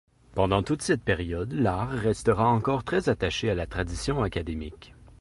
Pendant toute cette période, l'art restera encore très attaché à la tradition académique.